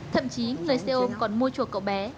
thậm chí người xe ôm còn mua chuộc cậu bé